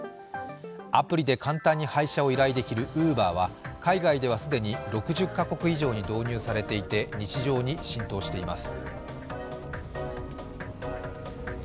アプリで簡単に配車を依頼できるＵｂｅｒは海外では既に６０か国以上に導入されていて、日常に浸透しています。